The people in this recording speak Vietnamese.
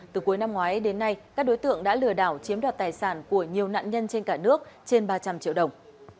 từ cuối năm ngoái đến nay các đối tượng đã lừa đảo chiếm đoạt tài sản của nhiều nạn nhân trên cả nước trên ba trăm linh triệu đồng